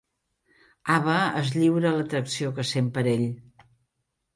Ava es lliura a l'atracció que sent per ell.